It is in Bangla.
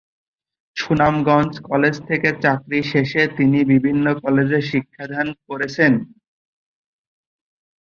সুনামগঞ্জ কলেজ থেকে চাকরি শেষে তিনি বিভিন্ন কলেজে শিক্ষাদান করেছেন।